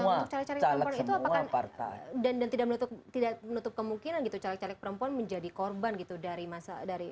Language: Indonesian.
untuk caleg caleg perempuan itu apakah dan tidak menutup kemungkinan gitu caleg caleg perempuan menjadi korban gitu dari masa dari